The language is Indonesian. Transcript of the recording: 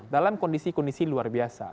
dalam kondisi kondisi luar biasa